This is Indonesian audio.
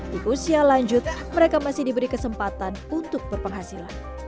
di usia lanjut mereka masih diberi kesempatan untuk berpenghasilan